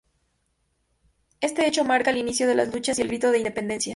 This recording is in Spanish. Este hecho marca el inicio de las luchas y el Grito de Independencia.